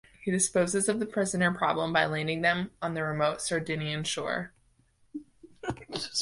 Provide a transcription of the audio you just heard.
He disposes of the prisoner problem by landing them on the remote Sardinian shore.